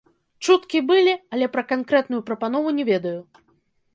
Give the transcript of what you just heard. Чуткі былі, але пра канкрэтную прапанову не ведаю.